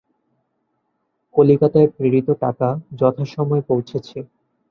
কলিকাতায় প্রেরিত টাকা যথাসময়ে পৌঁছেছে।